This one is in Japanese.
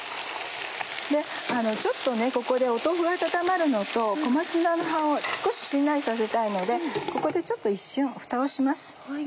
ちょっとここで豆腐が温まるのと小松菜の葉を少ししんなりさせたいのでここでちょっと一瞬フタをします。